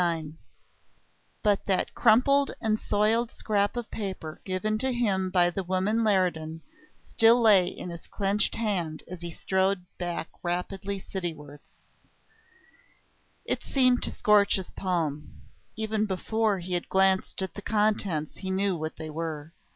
IX But that crumpled and soiled scrap of paper given to him by the woman Leridan still lay in his clenched hand as he strode back rapidly citywards. It seemed to scorch his palm. Even before he had glanced at the contents he knew what they were.